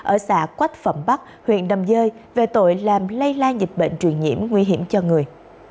ở xã quách phẩm bắc huyện đầm dơi về tội làm lây lan dịch bệnh truyền nhiễm nguy hiểm cho người